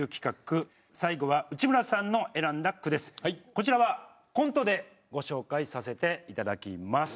こちらはコントでご紹介させていだたきます。